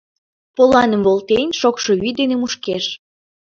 Поланым волтен, шокшо вӱд дене мушкеш.